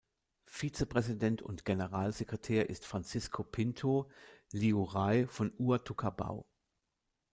Vize-Präsident und Generalsekretär ist "Francisco Pinto", Liurai von Uatucarbau.